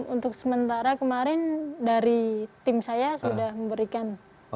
untuk sementara kemarin dari tim saya sudah memberikan